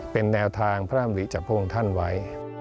เป็นแนวทางพระธรรมดิจับพวกท่านไว้